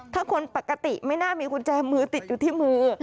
ถ้าคนปกติไม่น่ามีกุญแจมือติดอยู่ที่มือ